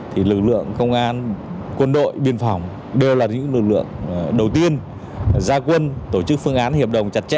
thì lực lượng công an quân đội biên phòng đều là những lực lượng đầu tiên gia quân tổ chức phương án hiệp đồng chặt chẽ